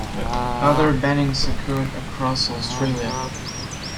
Other bannings occurred across Australia.